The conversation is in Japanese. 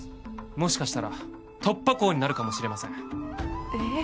もしかしたら突破口になるかもしれませんえー